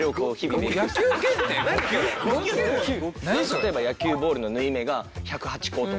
例えば野球ボールの縫い目が１０８個とか。